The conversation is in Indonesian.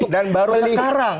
dan baru sekarang